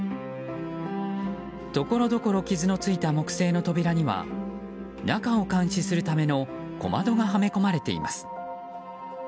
ところどころ傷のついた木製の扉には中を監視するための小窓がはめ込まれています。